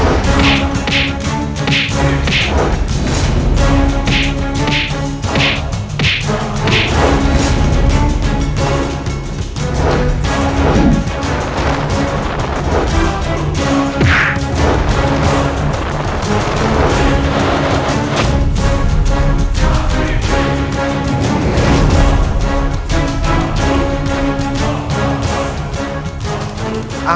kau sudah menemukanku semua